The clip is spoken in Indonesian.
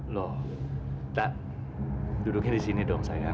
lo tak duduknya disini dong sayang